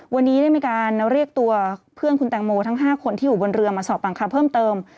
วันนี้ได้มีการเรียกตัวเพื่อนคุณแตงโมทั้ง๕คนที่อยู่บนเรือมาสอบปากคำเพิ่มเติม